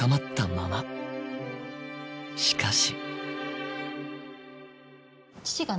しかし。